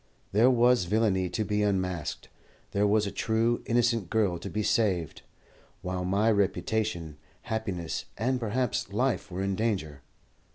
There was villainy to be unmasked, there was a true, innocent girl to be saved, while my reputation, happiness, and perhaps life were in danger.